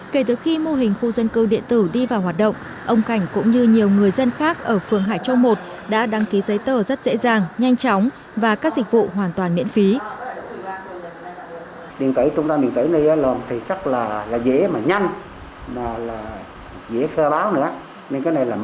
kể từ khi mô hình khu dân cư điện tử đi vào hoạt động ông cảnh cũng như nhiều người dân khác ở phường hải châu i đã đăng ký giấy tờ rất dễ dàng nhanh chóng và các dịch vụ hoàn toàn miễn phí